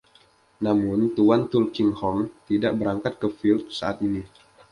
Namun, Tuan Tulkinghorn tidak berangkat ke Fields saat ini.